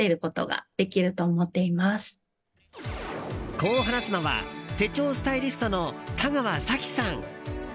こう話すのは手帳スタイリストの田河早紀さん。